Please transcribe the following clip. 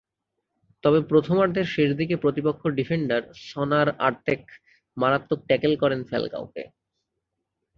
তবে প্রথমার্ধের শেষ দিকে প্রতিপক্ষ ডিফেন্ডার সনার আর্তেক মারাত্মক ট্যাকেল করেন ফ্যালকাওকে।